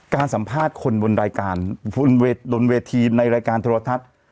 สัมภาษณ์คนบนรายการบนเวทีในรายการโทรทัศน์